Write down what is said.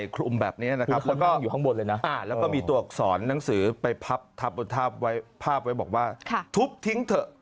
ขึ้นไปคลุมแบบนี้นะครับแล้วก็มีตัวสอนหนังสือไปพับทับบนภาพไว้บอกว่าทุบทิ้งเถอะ